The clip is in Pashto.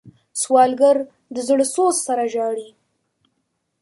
سوالګر د زړه سوز سره ژاړي